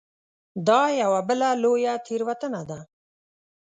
دا یوه بله لویه تېروتنه ده.